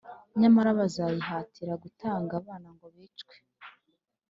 nyamara bazayihatira gutanga abana ngo bicwe!